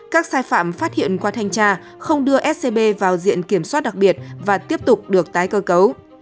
các sai phạm phát hiện qua thanh tra không đưa scb vào diện kiểm soát đặc biệt và tiếp tục được tái cơ cấu